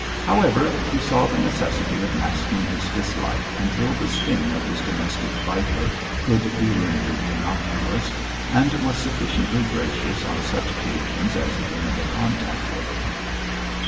However, he saw the necessity of masking his dislike until the sting of this domestic viper could be rendered innocuous, and was sufficiently gracious on such occasions as he came into contact with him.